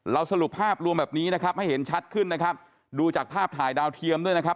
สรุปภาพรวมแบบนี้นะครับให้เห็นชัดขึ้นนะครับดูจากภาพถ่ายดาวเทียมด้วยนะครับ